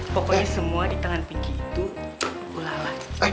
pokoknya semua di tangan pinky itu ulangan